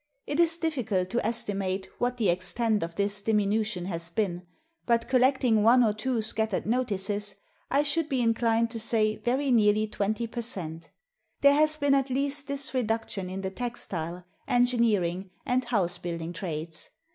It is difficult to estimate what the extent of this diminution has been, but collecting one or two scattered notices I should be inclined to say very nearly 20 per cent. There has been at least this reduction in the textile, engineering, and house building trades.